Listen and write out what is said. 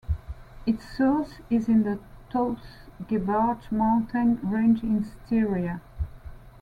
Its source is in the Totes Gebirge mountain range in Styria.